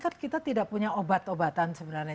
kan kita tidak punya obat obatan sebenarnya